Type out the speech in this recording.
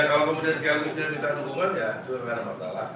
kalau kemudian kami tidak minta dukungan ya sudah tidak ada masalah